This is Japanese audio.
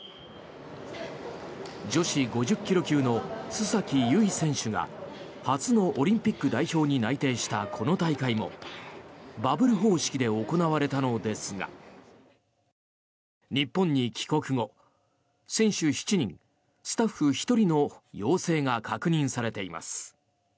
女子５０ｋｇ級の須崎優衣選手が初のオリンピック代表に内定したこの大会もバブル方式で行われたのですが日本に帰国後選手７人、スタッフ１人の陽性が確認されています。